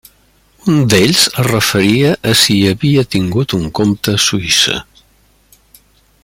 Un d'ells es referia a si hi havia tingut un compte a Suïssa.